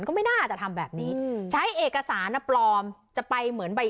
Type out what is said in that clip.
ก็ไม่น่าจะทำแบบนี้ใช้เอกสารอ่ะปลอมจะไปเหมือนใบ